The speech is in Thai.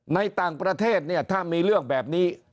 ในต่างประเทศเนี่ยถ้ามีเรื่องแบบนี้